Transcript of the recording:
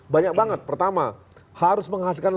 banyak banget pertama harus menghasilkan